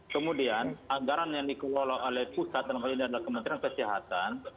kemudian anggaran yang dikewala oleh pusat dan kemudian adalah kementerian kesehatan